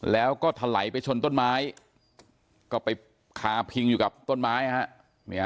แล้วก็ถลายไปชนต้นไม้ก็ไปคาพิงอยู่กับต้นไม้ฮะ